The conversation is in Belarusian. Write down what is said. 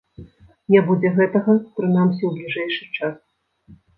Не будзе гэтага, прынамсі, у бліжэйшы час.